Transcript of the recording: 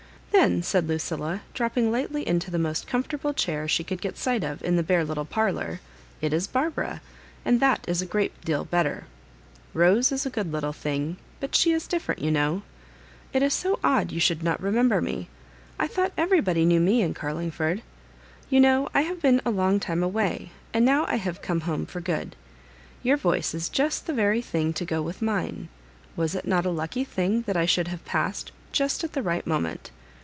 "Then," said Lucilla, dropping lightly into the most comfortable chair she could get sight of in the bare little parlour, "it is Barbara— and that is a great deal better; Rose is a good little thing, but — she is different, you know. It is so odd you should not remember me; I thought everybody knew me in Carlingfbrd. You know I have been a long time away, and now I have come home for good. Your voice is just the very thing to go with mine ; was it not a lucky thing that I should have passed just at the right moment?